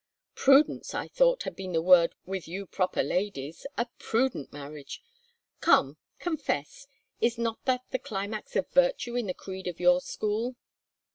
Prudence, I thought, had been the word with you proper ladies a prudent marriage! Come, confess, is not that the climax of virtue in the creed of your school?"